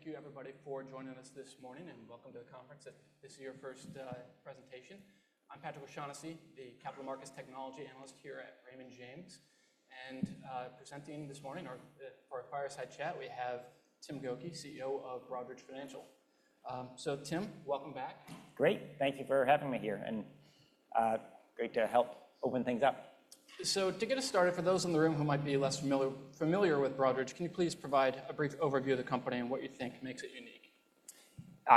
Thank you everybody for joining us this morning. Welcome to the conference. If this is your first presentation, I'm Patrick O'Shaughnessy, the capital markets technology analyst here at Raymond James. Presenting this morning or for our fireside chat, we have Tim Gokey, CEO of Broadridge Financial. Tim, welcome back. Great. Thank you for having me here, and great to help open things up. To get us started, for those in the room who might be less familiar with Broadridge, can you please provide a brief overview of the company and what you think makes it unique?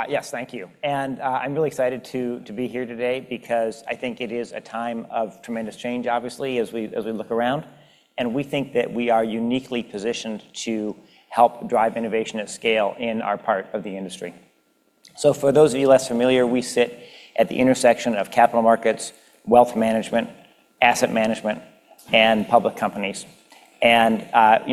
Yes. Thank you. I'm really excited to be here today because I think it is a time of tremendous change, obviously, as we look around, and we think that we are uniquely positioned to help drive innovation at scale in our part of the industry. For those of you less familiar, we sit at the intersection of capital markets, wealth management, asset management, and public companies. You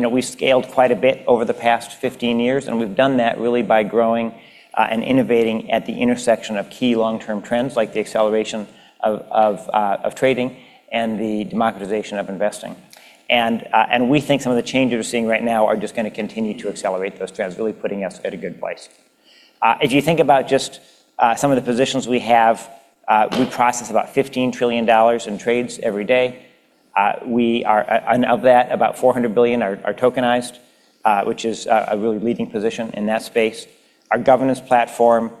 know, we've scaled quite a bit over the past 15 years, and we've done that really by growing and innovating at the intersection of key long-term trends like the acceleration of trading and the democratization of investing. We think some of the changes we're seeing right now are just gonna continue to accelerate those trends, really putting us at a good place. If you think about just some of the positions we have, we process about $15 trillion in trades every day. And of that, about $400 billion are tokenized, which is a really leading position in that space. Our governance platform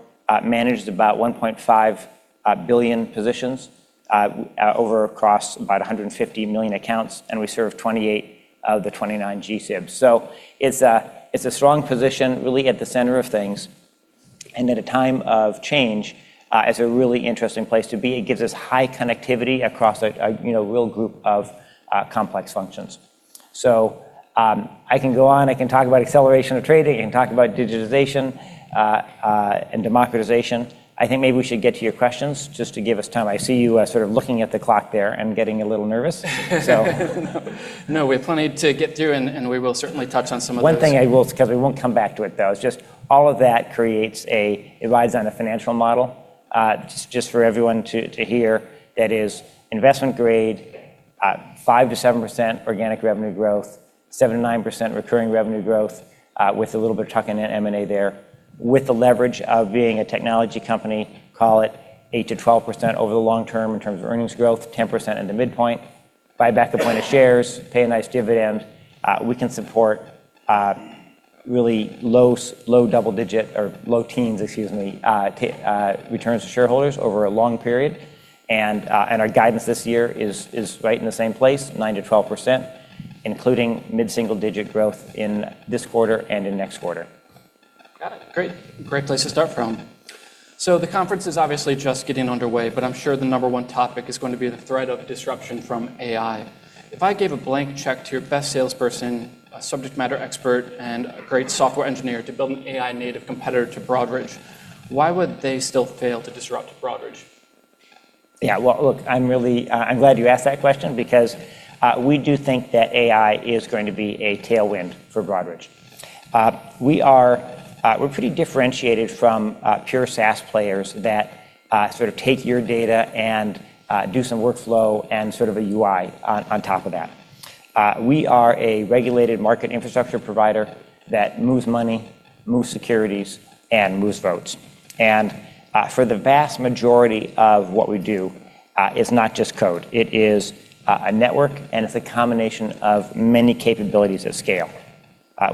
manages about 1.5 billion positions over across about 150 million accounts, and we serve 28 of the 29 GSIBs. It's a strong position really at the center of things and at a time of change is a really interesting place to be. It gives us high connectivity across a, you know, real group of complex functions. I can go on. I can talk about acceleration of trading. I can talk about digitization and democratization. I think maybe we should get to your questions just to give us time. I see you, sort of looking at the clock there and getting a little nervous. No. No, we have plenty to get through, and we will certainly touch on some of those. One thing I will, 'cause we won't come back to it, though, is just all of that creates a... it rides on a financial model, just for everyone to hear, that is investment grade, 5%-7% organic revenue growth, 7%-9% recurring revenue growth, with a little bit of tuck-in M&A there. With the leverage of being a technology company, call it 8%-12% over the long term in terms of earnings growth, 10% at the midpoint. Buy back a point of shares, pay a nice dividend. We can support really low double digit or low teens, excuse me, returns to shareholders over a long period. Our guidance this year is right in the same place, 9%-12%, including mid-single digit growth in this quarter and in next quarter. Got it. Great. Great place to start from. The conference is obviously just getting underway, but I'm sure the number 1 topic is going to be the threat of disruption from AI. If I gave a blank check to your best salesperson, a subject matter expert, and a great software engineer to build an AI native competitor to Broadridge, why would they still fail to disrupt Broadridge? Yeah. Well, look, I'm really, I'm glad you asked that question because we do think that AI is going to be a tailwind for Broadridge. We are, we're pretty differentiated from pure SaaS players that sort of take your data and do some workflow and sort of a UI on top of that. We are a regulated market infrastructure provider that moves money, moves securities, and moves votes. For the vast majority of what we do is not just code. It is a network, and it's a combination of many capabilities at scale.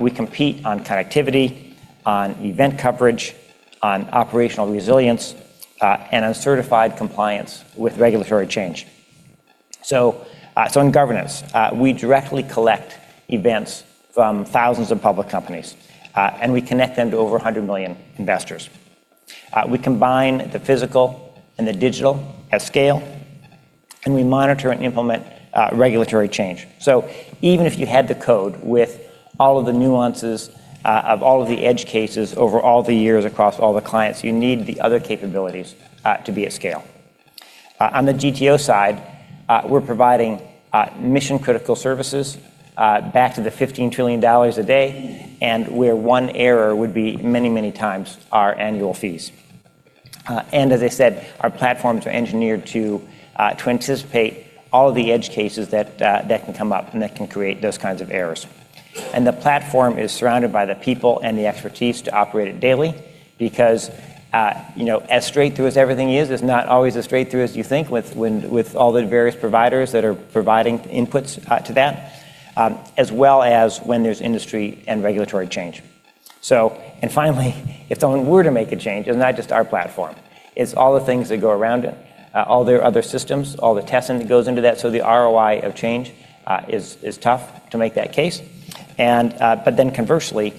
We compete on connectivity, on event coverage, on operational resilience, and on certified compliance with regulatory change. In governance, we directly collect events from thousands of public companies, and we connect them to over 100 million investors. We combine the physical and the digital at scale, and we monitor and implement regulatory change. Even if you had the code with all of the nuances, of all of the edge cases over all the years across all the clients, you need the other capabilities to be at scale. On the GTO side, we're providing mission-critical services back to the $15 trillion a day, and where one error would be many, many times our annual fees. And as I said, our platforms are engineered to anticipate all of the edge cases that can come up and that can create those kinds of errors. The platform is surrounded by the people and the expertise to operate it daily because, you know, as straight through as everything is, it's not always as straight through as you think with all the various providers that are providing inputs to that, as well as when there's industry and regulatory change. Finally, if someone were to make a change, it's not just our platform. It's all the things that go around it, all their other systems, all the testing that goes into that, so the ROI of change is tough to make that case. Conversely,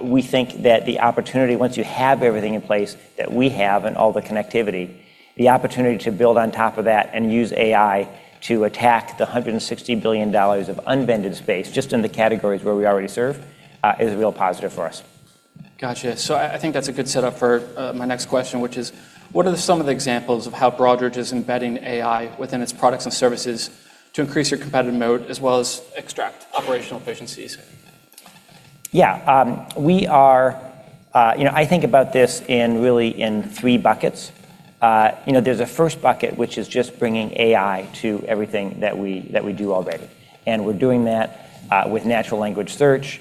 we think that the opportunity, once you have everything in place that we have and all the connectivity, the opportunity to build on top of that and use AI to attack the $160 billion of unvended space just in the categories where we already serve, is a real positive for us. Gotcha. I think that's a good setup for my next question, which is, what are some of the examples of how Broadridge is embedding AI within its products and services to increase your competitive mode as well as extract operational efficiencies? Yeah. We are, you know, I think about this in really in three buckets. You know, there's a first bucket which is just bringing AI to everything that we do already. We're doing that with natural language search,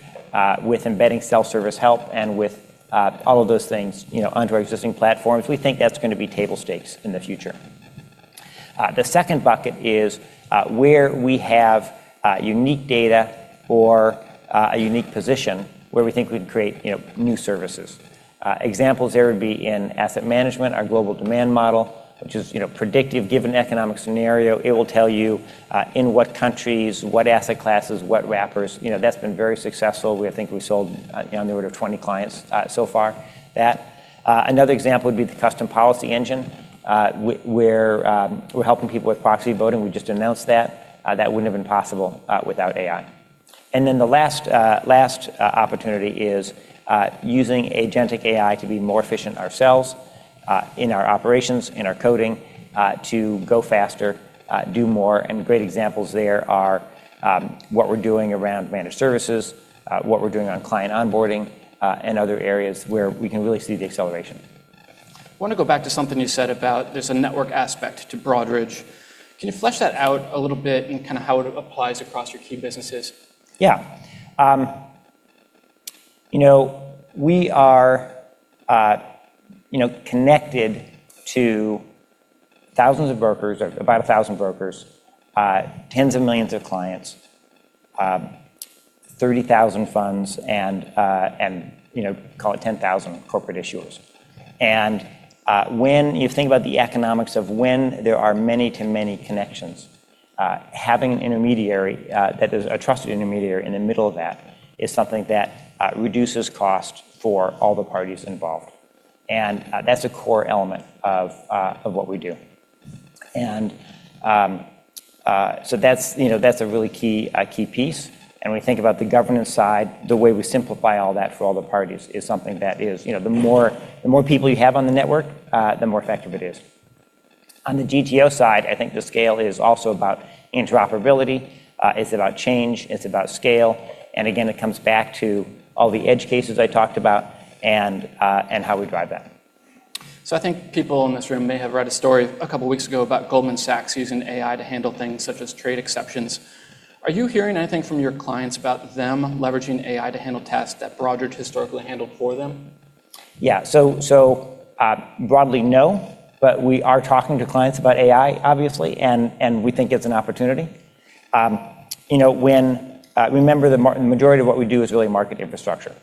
with embedding self-service help and with all of those things, you know, onto our existing platforms. We think that's gonna be table stakes in the future. The second bucket is where we have unique data or a unique position where we think we'd create, you know, new services. Examples there would be in asset management, our Global Demand Model, which is, you know, predictive. Given economic scenario, it will tell you in what countries, what asset classes, what wrappers. You know, that's been very successful. I think we sold, you know, in the order of 20 clients so far that. Another example would be the Custom Policy Engine, where we're helping people with proxy voting. We just announced that. That wouldn't have been possible without AI. The last opportunity is using agentic AI to be more efficient ourselves in our operations, in our coding to go faster, do more. Great examples there are what we're doing around Managed Services, what we're doing on client onboarding, and other areas where we can really see the acceleration. I wanna go back to something you said about there's a network aspect to Broadridge. Can you flesh that out a little bit and kinda how it applies across your key businesses? Yeah. you know, we are, you know, connected to thousands of brokers or about 1,000 brokers, tens of millions of clients, 30,000 funds and, you know, call it 10,000 corporate issuers. When you think about the economics of when there are many to many connections, having an intermediary, that is a trusted intermediary in the middle of that is something that reduces cost for all the parties involved, that's a core element of what we do. So that's, you know, that's a really key piece. When we think about the governance side, the way we simplify all that for all the parties is something that is, you know, the more people you have on the network, the more effective it is. On the GTO side, I think the scale is also about interoperability. It's about change, it's about scale, and again, it comes back to all the edge cases I talked about and how we drive that. I think people in this room may have read a story a couple weeks ago about Goldman Sachs using AI to handle things such as trade exceptions. Are you hearing anything from your clients about them leveraging AI to handle tasks that Broadridge historically handled for them? Yeah. broadly, no, but we are talking to clients about AI, obviously, and we think it's an opportunity. You know, remember the majority of what we do is really market infrastructure.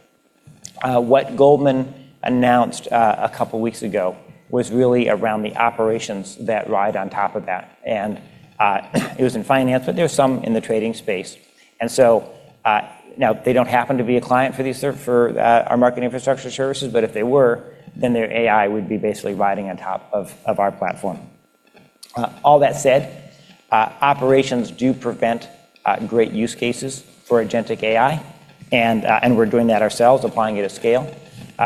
What Goldman announced a couple weeks ago was really around the operations that ride on top of that, and it was in finance, but there was some in the trading space. Now they don't happen to be a client for these for our market infrastructure services, but if they were, then their AI would be basically riding on top of our platform. All that said, operations do prevent great use cases for agentic AI and we're doing that ourselves, applying it at scale.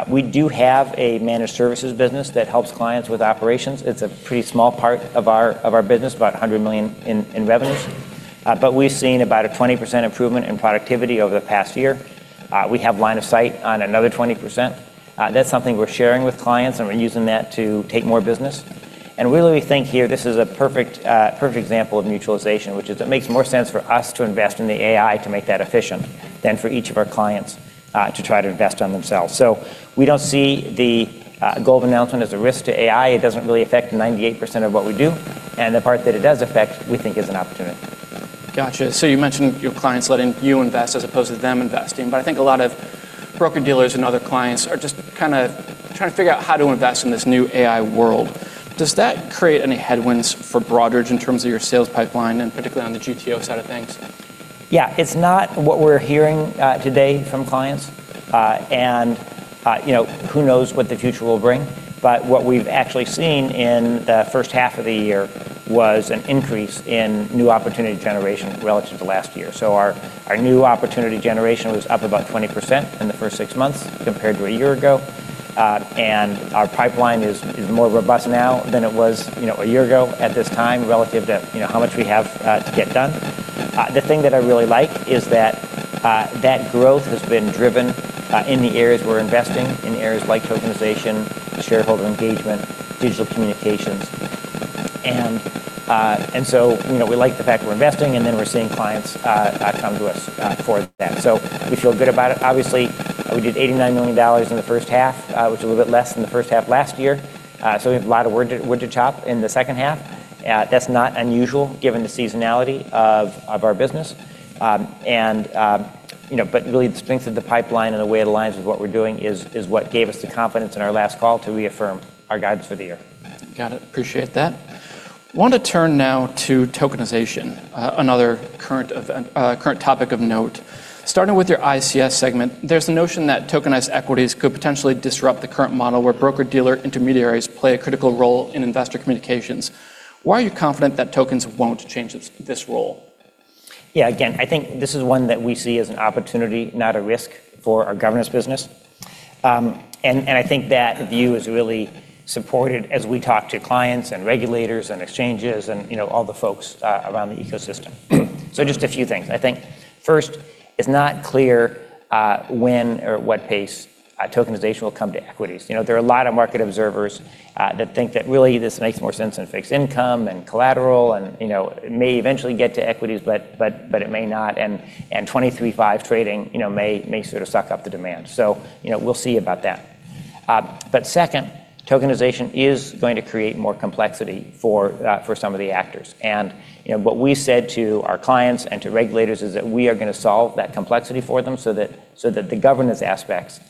We do have a Managed Services business that helps clients with operations. It's a pretty small part of our, of our business, about $100 million in revenues. We've seen about a 20% improvement in productivity over the past year. We have line of sight on another 20%. That's something we're sharing with clients, and we're using that to take more business. Really we think here this is a perfect example of mutualization, which is it makes more sense for us to invest in the AI to make that efficient than for each of our clients, to try to invest on themselves. We don't see the Goldman announcement as a risk to AI. It doesn't really affect 98% of what we do, and the part that it does affect, we think is an opportunity. Gotcha. You mentioned your clients letting you invest as opposed to them investing, but I think a lot of broker-dealers and other clients are just kinda trying to figure out how to invest in this new AI world. Does that create any headwinds for Broadridge in terms of your sales pipeline and particularly on the GTO side of things? It's not what we're hearing today from clients. Who knows what the future will bring? What we've actually seen in the first half of the year was an increase in new opportunity generation relative to last year. Our new opportunity generation was up about 20% in the first six months compared to a year ago. Our pipeline is more robust now than it was, you know, a year ago at this time relative to, you know, how much we have to get done. The thing that I really like is that growth has been driven in the areas we're investing, in areas like tokenization, shareholder engagement, digital communications. You know, we like the fact that we're investing, and then we're seeing clients come to us for that. We feel good about it. Obviously, we did $89 million in the first half, which is a little bit less than the first half last year. We have a lot of wood to chop in the second half. That's not unusual given the seasonality of our business. You know, really the strength of the pipeline and the way it aligns with what we're doing is what gave us the confidence in our last call to reaffirm our guidance for the year. Got it. Appreciate that. Want to turn now to tokenization, another current topic of note. Starting with your ICS segment, there's the notion that tokenized equities could potentially disrupt the current model where broker-dealer intermediaries play a critical role in investor communications. Why are you confident that tokens won't change this role? Yeah. Again, I think this is one that we see as an opportunity, not a risk for our governance business. I think that view is really supported as we talk to clients and regulators and exchanges and, you know, all the folks around the ecosystem. Just a few things. I think first it's not clear when or what pace tokenization will come to equities. You know, there are a lot of market observers that think that really this makes more sense in fixed income and collateral and, you know, it may eventually get to equities, but it may not. 23/5 trading, you know, may sort of suck up the demand. You know, we'll see about that. Second, tokenization is going to create more complexity for some of the actors. You know, what we said to our clients and to regulators is that we are gonna solve that complexity for them so that the governance aspects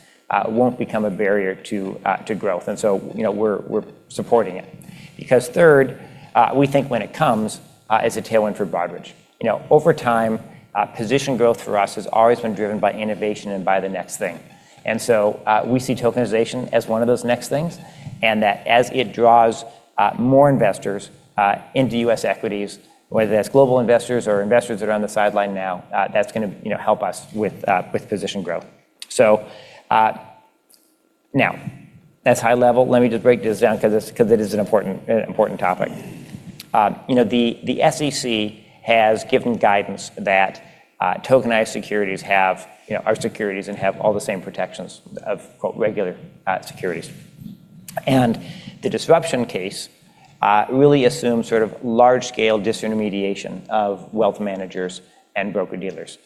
won't become a barrier to growth. You know, we're supporting it. Because third, we think when it comes as a tailwind for Broadridge. You know, over time, position growth for us has always been driven by innovation and by the next thing. We see tokenization as one of those next things, and that as it draws more investors into U.S. equities, whether that's global investors or investors that are on the sideline now, that's gonna, you know, help us with position growth. Now that's high level. Let me just break this down 'cause it is an important topic. You know, the SEC has given guidance that tokenized securities have, you know, are securities and have all the same protections of quote "regular securities." The disruption case really assumes sort of large scale disintermediation of wealth managers and broker-dealers.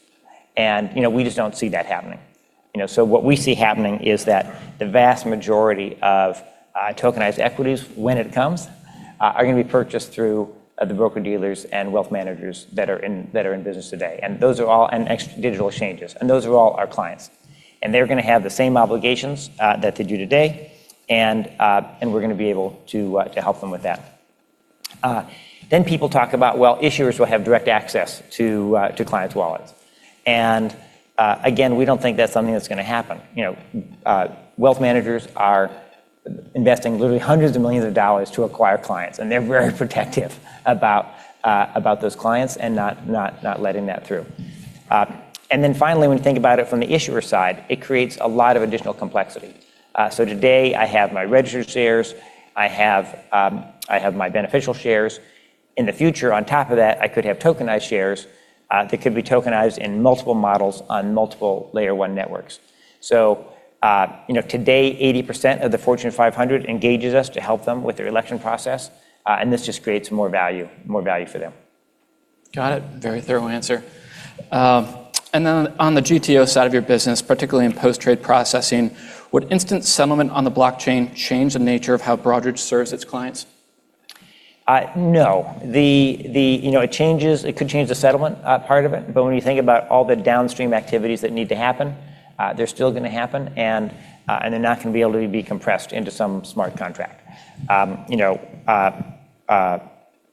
You know, we just don't see that happening. You know, what we see happening is that the vast majority of tokenized equities when it comes are gonna be purchased through the broker-dealers and wealth managers that are in business today. Digital exchanges, and those are all our clients. They're gonna have the same obligations that they do today, and we're gonna be able to help them with that. People talk about, well, issuers will have direct access to clients' wallets. Again, we don't think that's something that's gonna happen. You know, wealth managers are investing literally hundreds of millions of dollars to acquire clients, and they're very protective about those clients and not letting that through. Finally, when you think about it from the issuer side, it creates a lot of additional complexity. Today I have my registered shares, I have my beneficial shares. In the future on top of that, I could have tokenized shares that could be tokenized in multiple models on multiple layer one networks. You know, today 80% of the Fortune 500 engages us to help them with their election process, this just creates more value for them. Got it. Very thorough answer. On the GTO side of your business, particularly in post-trade processing, would instant settlement on the blockchain change the nature of how Broadridge serves its clients? No. The, you know, it could change the settlement part of it, but when you think about all the downstream activities that need to happen and they're still gonna happen and they're not gonna be able to be compressed into some smart contract. You know,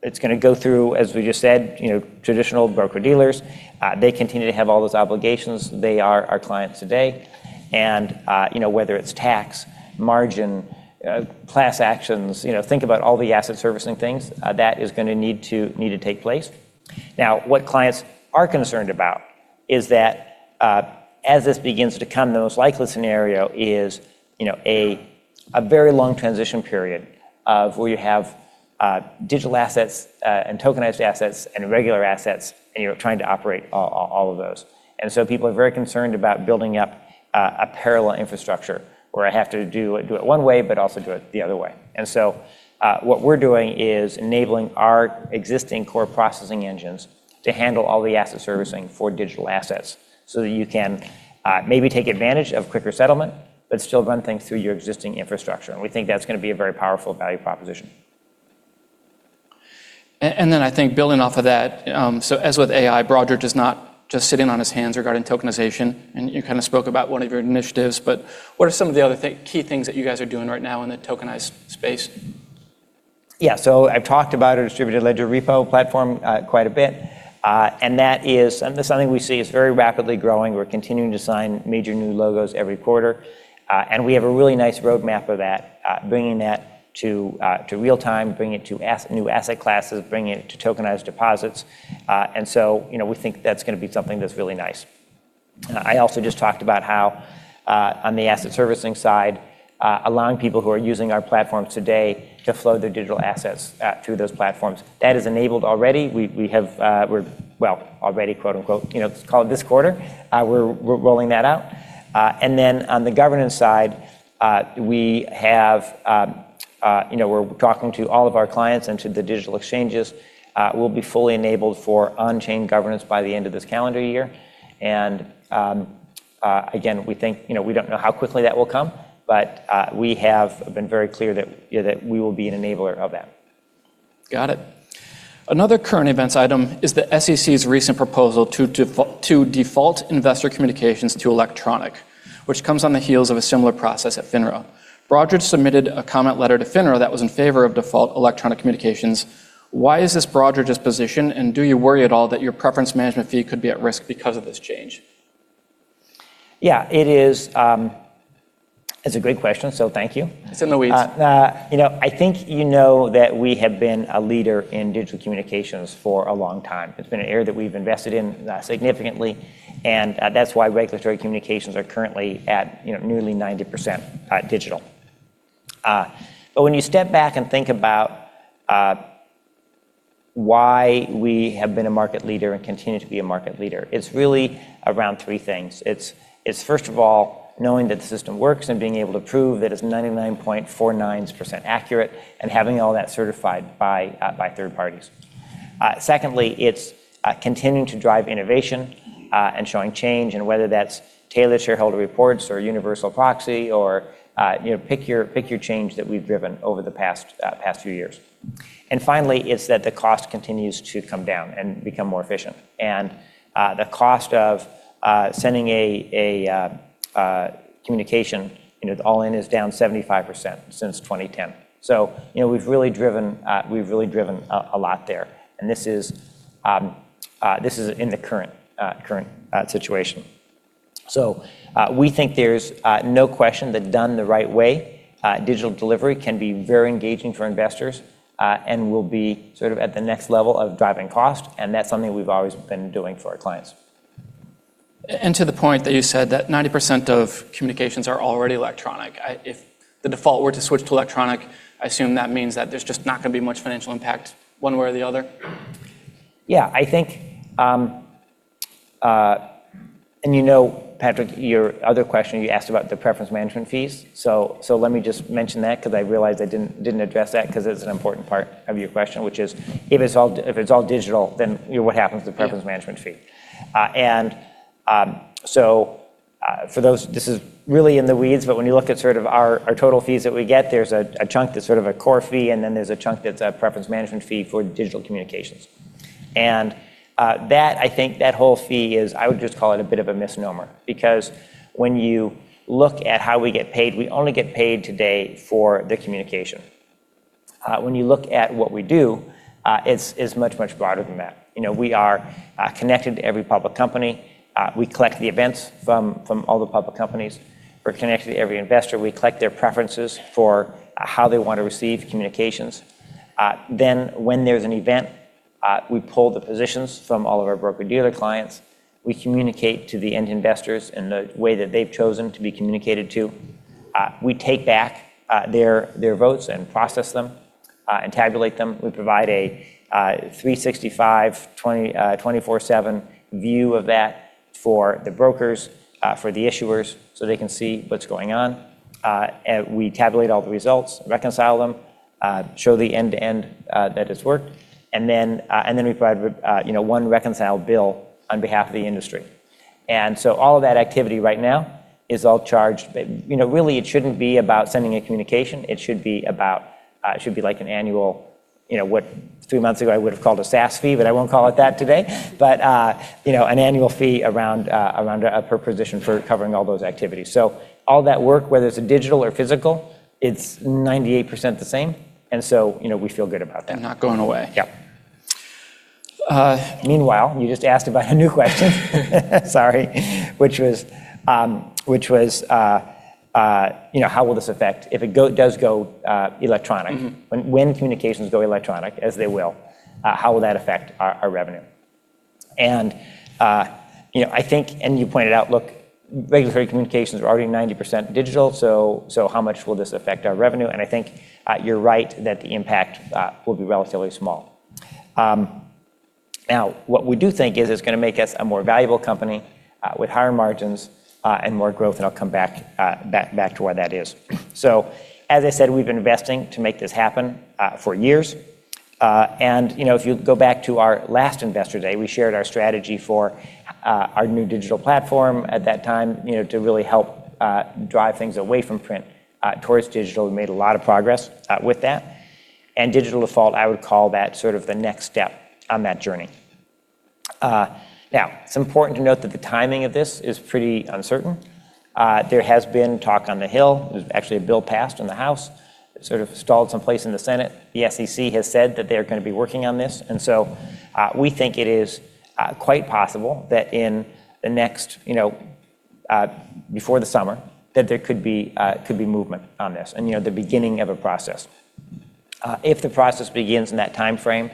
it's gonna go through, as we just said, you know, traditional broker-dealers. They continue to have all those obligations. They are our clients today. You know, whether it's tax, margin, class actions, you know, think about all the asset servicing things that is gonna need to take place. What clients are concerned about is that, as this begins to come, the most likely scenario is, you know, a very long transition period where you have digital assets and tokenized assets and regular assets, and you're trying to operate all of those. People are very concerned about building up a parallel infrastructure where I have to do it one way but also do it the other way. What we're doing is enabling our existing core processing engines to handle all the asset servicing for digital assets so that you can maybe take advantage of quicker settlement but still run things through your existing infrastructure. We think that's gonna be a very powerful value proposition. I think building off of that, so as with AI, Broadridge is not just sitting on his hands regarding tokenization, and you kind of spoke about one of your initiatives, but what are some of the other key things that you guys are doing right now in the tokenized space? Yeah. I've talked about our Distributed Ledger Repo platform quite a bit. That's something we see is very rapidly growing. We're continuing to sign major new logos every quarter. We have a really nice roadmap of that, bringing that to real time, bringing it to new asset classes, bringing it to tokenized deposits. You know, we think that's gonna be something that's really nice. I also just talked about how on the asset servicing side, allowing people who are using our platform today to flow their digital assets through those platforms. That is enabled already. We have, already quote unquote, you know, call it this quarter, we're rolling that out. Then on the governance side, we have, you know, we're talking to all of our clients and to the digital exchanges. We'll be fully enabled for on-chain governance by the end of this calendar year. Again, we think, you know, we don't know how quickly that will come, but we have been very clear that, you know, that we will be an enabler of that. Got it. Another current events item is the SEC's recent proposal to default investor communications to electronic, which comes on the heels of a similar process at FINRA. Broadridge submitted a comment letter to FINRA that was in favor of default electronic communications. Why is this Broadridge's position, and do you worry at all that your preference management fee could be at risk because of this change? Yeah, it is. It's a great question. Thank you. It's in the weeds. you know, I think you know that we have been a leader in digital communications for a long time. It's been an area that we've invested in significantly, and that's why regulatory communications are currently at, you know, nearly 90% digital. When you step back and think about why we have been a market leader and continue to be a market leader. It's really around three things. It's first of all, knowing that the system works and being able to prove that it's 99.49% accurate and having all that certified by third parties. Secondly, it's continuing to drive innovation and showing change and whether that's Tailored Shareholder Reports or universal proxy or, you know, pick your change that we've driven over the past few years. Finally, it's that the cost continues to come down and become more efficient. The cost of sending a communication, you know, all-in is down 75% since 2010. You know, we've really driven a lot there. This is in the current situation. We think there's no question that done the right way, digital delivery can be very engaging for investors, and will be sort of at the next level of driving cost, and that's something we've always been doing for our clients. To the point that you said that 90% of communications are already electronic. If the default were to switch to electronic, I assume that means that there's just not gonna be much financial impact one way or the other. Yeah. I think, and you know, Patrick, your other question, you asked about the preference management fees. Let me just mention that because I realized I didn't address that because it's an important part of your question, which is if it's all digital, then what happens to the preference management fee? For those, this is really in the weeds, but when you look at sort of our total fees that we get, there's a chunk that's sort of a core fee, and then there's a chunk that's a preference management fee for digital communications. That I think, that whole fee is, I would just call it a bit of a misnomer because when you look at how we get paid, we only get paid today for the communication. When you look at what we do, it's much, much broader than that. You know, we are connected to every public company. We collect the events from all the public companies. We're connected to every investor. We collect their preferences for how they want to receive communications. When there's an event, we pull the positions from all of our broker-dealer clients. We communicate to the end investors in the way that they've chosen to be communicated to. We take back their votes and process them and tabulate them. We provide a 365, 24/7 view of that for the brokers, for the issuers, so they can see what's going on. We tabulate all the results, reconcile them, show the end-to-end, that it's worked, and then we provide, you know, one reconciled bill on behalf of the industry. All of that activity right now is all charged. You know, really, it shouldn't be about sending a communication. It should be about, it should be like an annual, you know what, two months ago, I would have called a SaaS fee, but I won't call it that today. You know, an annual fee around a per position for covering all those activities. So all that work, whether it's a digital or physical, it's 98% the same. You know, we feel good about that. Not going away. Yeah. meanwhile, you just asked about a new question. Sorry. Which was, you know, how will this affect if it does go electronic. Mm-hmm. When communications go electronic, as they will, how will that affect our revenue? You know, I think, and you pointed out, look, regulatory communications are already 90% digital, so how much will this affect our revenue? I think, you're right that the impact will be relatively small. Now what we do think is it's gonna make us a more valuable company with higher margins and more growth, and I'll come back to why that is. As I said, we've been investing to make this happen for years. You know, if you go back to our last Investor Day, we shared our strategy for our new digital platform at that time, you know, to really help drive things away from print towards digital. We made a lot of progress with that. Digital default, I would call that sort of the next step on that journey. Now it's important to note that the timing of this is pretty uncertain. There has been talk on the Hill. There's actually a bill passed in the House. It sort of stalled someplace in the Senate. The SEC has said that they're gonna be working on this. We think it is quite possible that in the next, you know, before the summer, that there could be movement on this and, you know, the beginning of a process. If the process begins in that timeframe,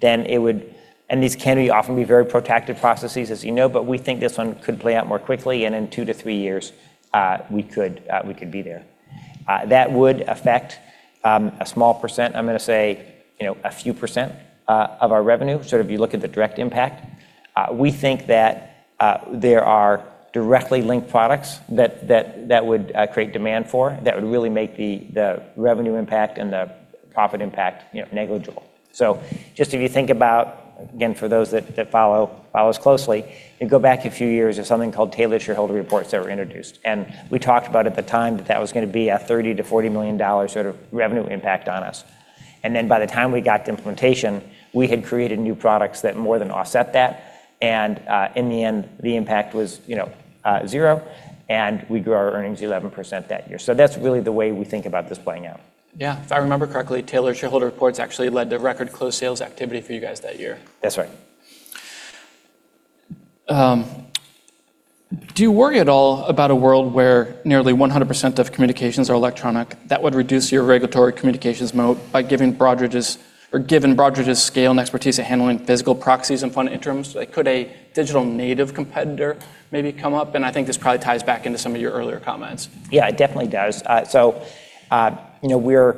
these can often be very protracted processes, as you know, but we think this one could play out more quickly, and in 2 to 3 years, we could be there. That would affect a small %, I'm gonna say, you know, a few %, of our revenue, sort of you look at the direct impact. We think that there are directly linked products that would create demand for, that would really make the revenue impact and the profit impact, you know, negligible. Just if you think about, again, for those that follow us closely, you go back a few years, there's something called Tailored Shareholder Reports that were introduced. We talked about at the time that that was gonna be a $30 million-$40 million sort of revenue impact on us. By the time we got to implementation, we had created new products that more than offset that. In the end, the impact was, you know, 0, and we grew our earnings 11% that year. That's really the way we think about this playing out. Yeah. If I remember correctly, Tailored Shareholder Reports actually led to record closed sales activity for you guys that year. That's right. Do you worry at all about a world where nearly 100% of communications are electronic that would reduce your regulatory communications moat by given Broadridge's scale and expertise at handling physical proxies and fund interims? Like, could a digital native competitor maybe come up? I think this probably ties back into some of your earlier comments. Yeah, it definitely does. You know, we're,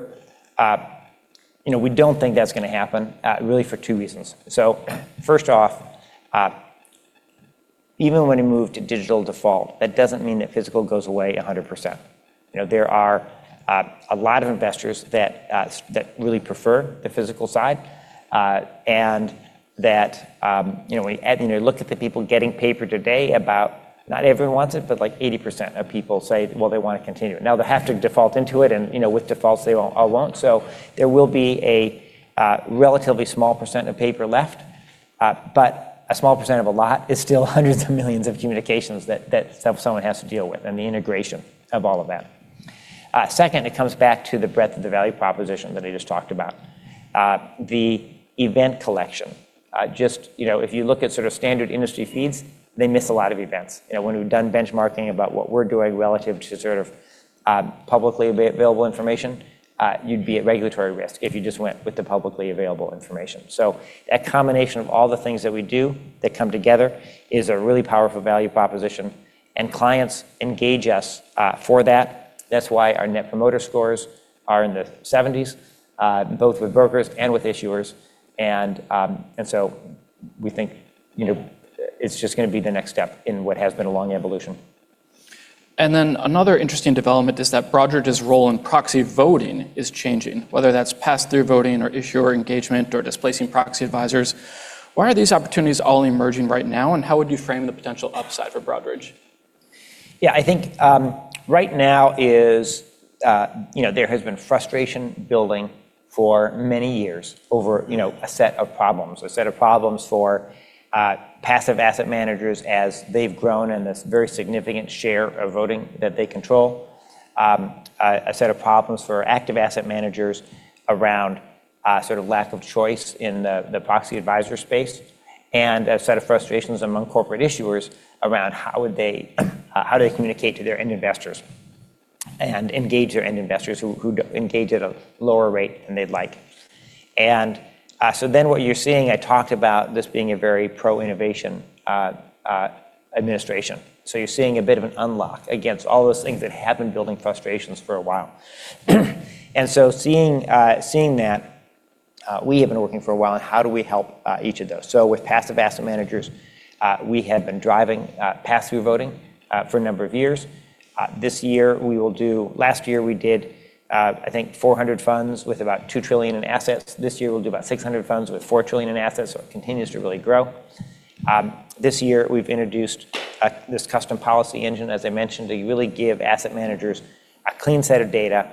you know, we don't think that's gonna happen, really for two reasons. First off, even when we move to digital default, that doesn't mean that physical goes away 100%. You know, there are a lot of investors that really prefer the physical side, and that, you know, you look at the people getting paper today about not everyone wants it, but like 80% of people say, well, they wanna continue. They have to default into it and, you know, with defaults they all won't. There will be a relatively small percent of paper left, but a small percent of a lot is still hundreds of millions of communications that someone has to deal with and the integration of all of that. Second, it comes back to the breadth of the value proposition that I just talked about. The event collection. Just, you know, if you look at sort of standard industry feeds, they miss a lot of events. You know, when we've done benchmarking about what we're doing relative to sort of, publicly available information, you'd be at regulatory risk if you just went with the publicly available information. That combination of all the things that we do that come together is a really powerful value proposition, and clients engage us for that. That's why our Net Promoter Score are in the seventies, both with brokers and with issuers and so we think, you know, it's just gonna be the next step in what has been a long evolution. Another interesting development is that Broadridge's role in proxy voting is changing, whether that's pass-through voting or issuer engagement or displacing proxy advisors. Why are these opportunities all emerging right now, and how would you frame the potential upside for Broadridge? Yeah, I think, right now is, you know, there has been frustration building for many years over, you know, a set of problems. A set of problems for passive asset managers as they've grown in this very significant share of voting that they control. A set of problems for active asset managers around sort of lack of choice in the proxy advisor space, and a set of frustrations among corporate issuers around how do they communicate to their end investors and engage their end investors who engage at a lower rate than they'd like. What you're seeing, I talked about this being a very pro-innovation administration. You're seeing a bit of an unlock against all those things that have been building frustrations for a while. Seeing that, we have been working for a while on how do we help each of those. With passive asset managers, we have been driving pass-through voting for a number of years. Last year we did, I think 400 funds with about $2 trillion in assets. This year we'll do about 600 funds with $4 trillion in assets, so it continues to really grow. This year we've introduced this custom policy engine, as I mentioned, to really give asset managers a clean set of data,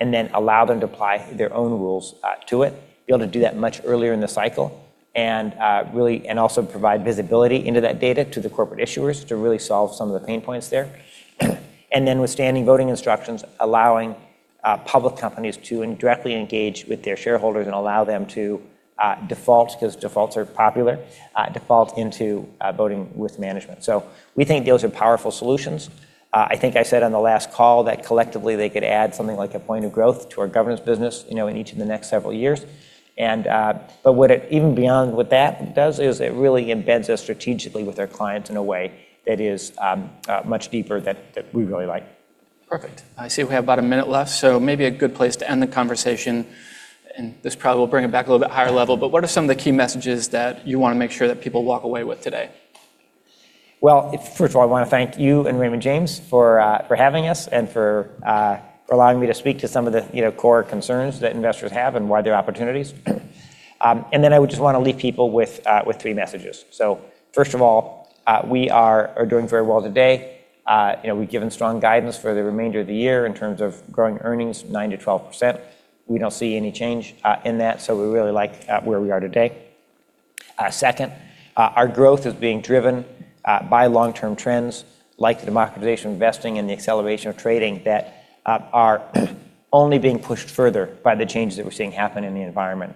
and then allow them to apply their own rules to it. Be able to do that much earlier in the cycle and also provide visibility into that data to the corporate issuers to really solve some of the pain points there. Then with standing voting instructions, allowing public companies to directly engage with their shareholders and allow them to default, 'cause defaults are popular, default into voting with management. We think those are powerful solutions. I think I said on the last call that collectively they could add something like a point of growth to our governance business, you know, in each of the next several years. Even beyond what that does is it really embeds us strategically with our clients in a way that is much deeper that we really like. Perfect. I see we have about a minute left, so maybe a good place to end the conversation, and this probably will bring it back a little bit higher level, but what are some of the key messages that you wanna make sure that people walk away with today? Well, first of all, I wanna thank you and Raymond James for having us and for allowing me to speak to some of the, you know, core concerns that investors have and why they're opportunities. Then I would just wanna leave people with three messages. First of all, we are doing very well today. You know, we've given strong guidance for the remainder of the year in terms of growing earnings 9%-12%. We don't see any change in that, so we really like where we are today. Second, our growth is being driven by long-term trends like the democratization of investing and the acceleration of trading that are only being pushed further by the changes that we're seeing happen in the environment.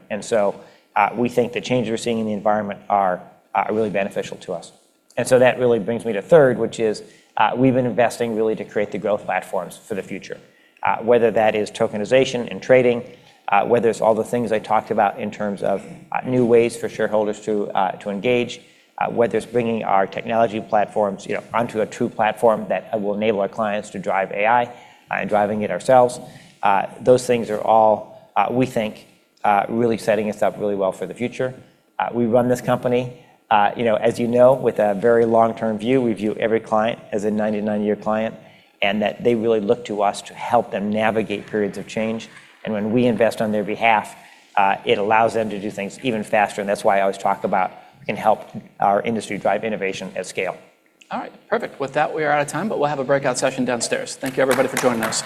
We think the changes we're seeing in the environment are really beneficial to us. That really brings me to third, which is, we've been investing really to create the growth platforms for the future. Whether that is tokenization and trading, whether it's all the things I talked about in terms of, new ways for shareholders to engage, whether it's bringing our technology platforms, you know, onto a true platform that, will enable our clients to drive AI, and driving it ourselves. Those things are all, we think, really setting us up really well for the future. We run this company, you know, as you know, with a very long-term view. We view every client as a 99-year client, that they really look to us to help them navigate periods of change. When we invest on their behalf, it allows them to do things even faster, and that's why I always talk about and help our industry drive innovation at scale. All right, perfect. With that, we are out of time, but we'll have a breakout session downstairs. Thank you, everybody, for joining us.